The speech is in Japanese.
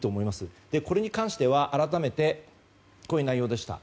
これに関しては改めて、こういう内容です。